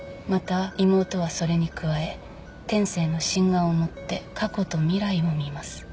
また妹はそれに加え天性の心眼をもって過去と未来を見ます。